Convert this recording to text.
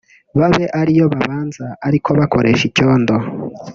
babe ariyo babanza ariko bakoresha icyondo